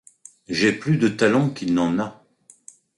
J’ai plus de talent qu’il n’en a…